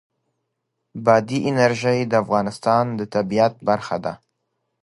بادي انرژي د افغانستان د طبیعت برخه ده.